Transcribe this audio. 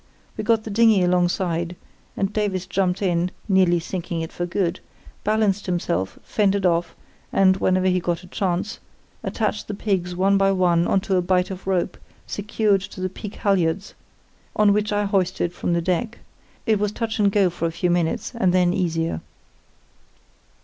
We got the dinghy alongside, and Davies jumped in (nearly sinking it for good), balanced himself, fended off, and, whenever he got a chance, attached the pigs one by one on to a bight of rope, secured to the peak halyards, on which I hoisted from the deck. It was touch and go for a few minutes, and then easier.